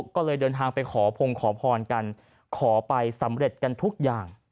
ก็เลยเดินทางไปขอพงขอพรกันขอไปสำเร็จกันทุกอย่าง